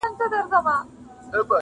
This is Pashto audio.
داسي سفردی پرنمبرباندي وردرومي هرڅوک,